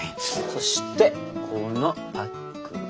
そしてこのパックを。